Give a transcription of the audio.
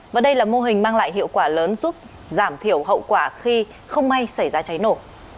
và đây là mô hình mang lại hiệu quả lớn giúp giảm thiểu hậu quả khi không may xảy ra cháy nổ